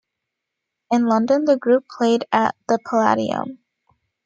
In London the group played at the Palladium.